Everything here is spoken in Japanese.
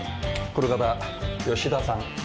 この方吉田さん。